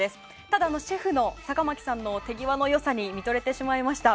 ただ、シェフの坂巻さんの手際の良さに見とれてしまいました。